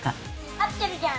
合ってるじゃん。